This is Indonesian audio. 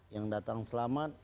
yang datang selamat